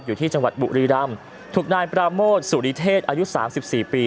อยู่ที่จังหวัดบุรีร่ำถูกนายปราโมทสุริเทศอายุ๓๔ปี